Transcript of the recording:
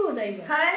はい。